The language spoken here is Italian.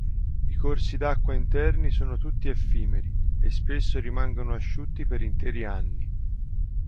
I corsi d'acqua interni sono tutti effimeri, e spesso rimangono asciutti per interi anni.